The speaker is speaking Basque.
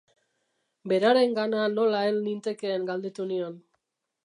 Berarengana nola hel nintekeen galdetu nion.